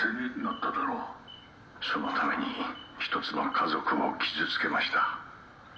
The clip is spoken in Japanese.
「そのために一つの家族を傷つけました」